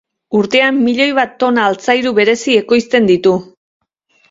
Urtean milioi bat tona altzairu berezi ekoizten ditu.